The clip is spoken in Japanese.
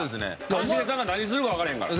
一茂さんが何するかわからへんから。